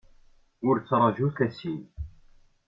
Ur ttraju tasint.